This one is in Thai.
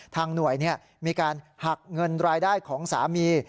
หน่วยมีการหักเงินรายได้ของสามี